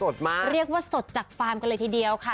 เรียกว่าสดจากฟาร์มกันเลยทีเดียวค่ะ